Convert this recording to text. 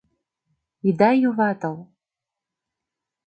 — Ида юватыл.